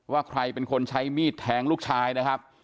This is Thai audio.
ว่าใครเป็นคนใช้มีดแทงลูกชายนะครับ